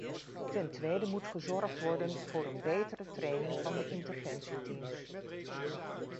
Ten tweede moet gezorgd worden voor een betere training van de interventieteams.